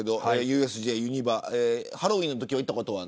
ＵＳＪ、ユニバにハロウィーンのとき行ったことは。